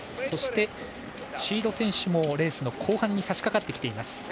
そしてシード選手もレース後半に差し掛かっています。